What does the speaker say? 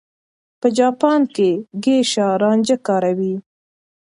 په جاپان کې ګېشا رانجه کاروي.